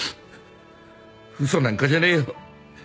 嘘なんかじゃねえよ。